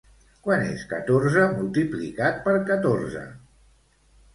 Quant és catorze multiplicat per catorze?